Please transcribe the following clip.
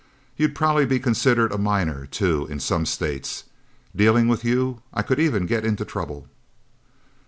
You'd probably be considered a minor, too, in some states. Dealing with you, I could even get into trouble."